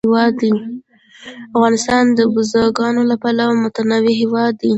افغانستان د بزګانو له پلوه متنوع هېواد دی.